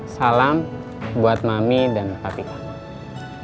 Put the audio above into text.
salam buat mami dan papi kamu